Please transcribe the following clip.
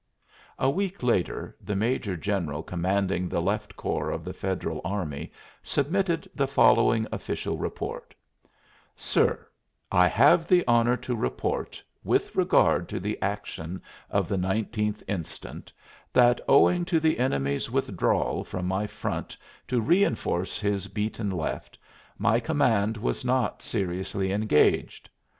A week later the major general commanding the left corps of the Federal Army submitted the following official report: "SIR: I have the honor to report, with regard to the action of the 19th inst, that owing to the enemy's withdrawal from my front to reinforce his beaten left, my command was not seriously engaged.